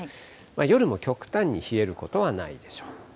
夜も極端に冷えることはないでしょう。